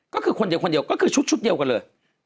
ก็คือคนเดียวคนเดียวก็คือชุดเดียวกันเลย